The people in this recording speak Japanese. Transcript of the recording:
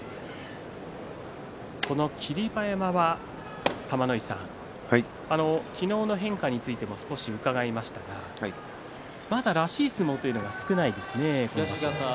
この霧馬山は、玉ノ井さん昨日の変化についても少し伺いましたがまだ、らしい相撲が少ないですね。